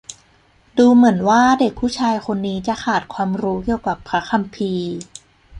ดูเหมือนว่าเด็กผู้ชายคนนี้จะขาดความรู้เกี่ยวกับพระคัมภีร์